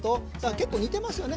結構似てますよね